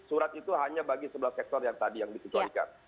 surat itu hanya bagi sebelah sektor yang tadi yang dikecualikan